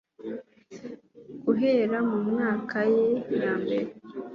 guhera mu mvaka ye ya mbere,